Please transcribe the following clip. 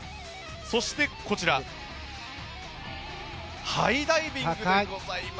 そしてこちらハイダイビングでございます。